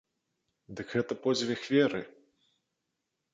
Дык гэта подзвіг веры!